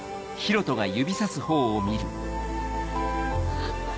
あっ！